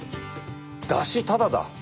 だしタダだ！